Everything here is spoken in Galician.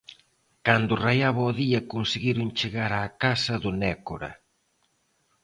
Cando raiaba o día conseguiron chegar á casa do Nécora.